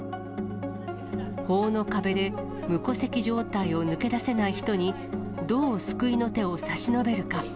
法の壁で、無戸籍状態を抜け出せない人に、どう救いの手を差し伸べるか。